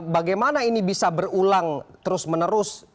bagaimana ini bisa berulang terus menerus